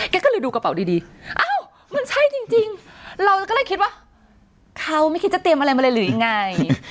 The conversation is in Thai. ก็เลยดูกระเป๋าดีอ้าวมันใช่จริงเราก็เลยคิดว่าเขาไม่คิดจะเตรียมอะไรมาเลยหรือยังไง